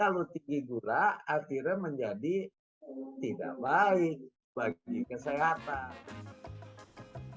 kalau tinggi gula akhirnya menjadi tidak baik bagi kesehatan